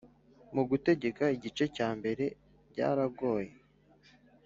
Mu Gutegeka igice cya mbere byaragoye